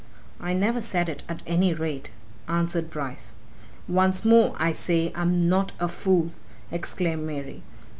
"I never said it, at any rate," answered Bryce. "Once more, I say, I'm not a fool!" exclaimed Mary.